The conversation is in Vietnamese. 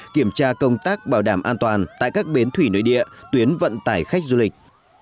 kiểm tra công tác bảo đảm an toàn tại các bến thủy nội địa tuyến vận tải khách du lịch